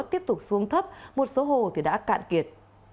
tiếp tục xuống thấp một số hồ đã cạn kiệt